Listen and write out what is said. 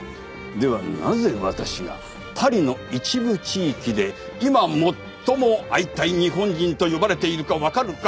ではなぜ私がパリの一部地域で今最も会いたい日本人と呼ばれているかわかるか？